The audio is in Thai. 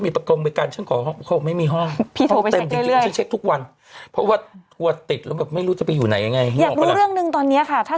มันเป็นกฎหมายออกมาไหมไม่มีใช่ไหมครับตอนนี้